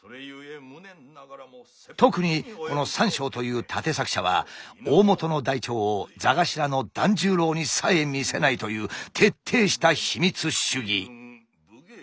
特にこの三笑という立作者は大本の台帳を座頭の團十郎にさえ見せないという徹底した秘密主義。